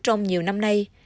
trong nhiều năm nay